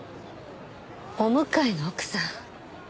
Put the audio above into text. お向かいの奥さん。